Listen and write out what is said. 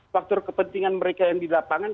faktor kepentingan mereka yang di lapangan